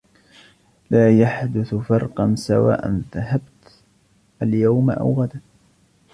لا يحدث فرقاً سواء ذهبت اليوم او غداً.